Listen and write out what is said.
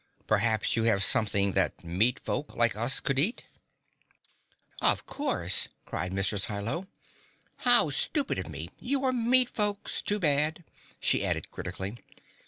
Perhaps you have something that meat folks like us could eat?" "Of course!" cried Mrs. Hi Lo. "How stupid of me! You are meat folks too bad," she added critically.